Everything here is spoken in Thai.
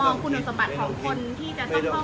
เป็น๓บอลงก๊อนเลยบอกแล้วเขาจะต้องเข้ามานั่งในหลวง